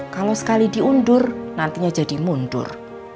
kalau sekali diundur nantinya jadi mundur